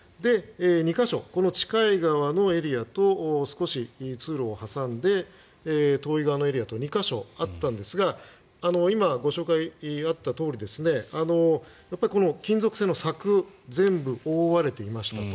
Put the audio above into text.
２か所、近い側のエリアと少し通路を挟んで遠い側のエリアと２か所あったんですが今、ご紹介があったとおりこの金属製の柵全部覆われていましたと。